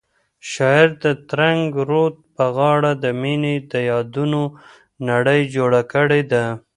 شاعر د ترنګ رود په غاړه د مینې د یادونو نړۍ جوړه کړې ده.